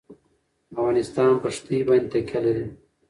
افغانستان په ښتې باندې تکیه لري.